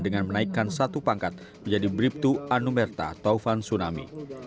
dengan menaikkan satu pangkat menjadi bribtu anumerta taufan tsunami